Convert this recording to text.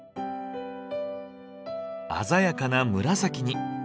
鮮やかな紫に。